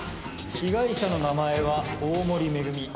被害者の名前は大森恵。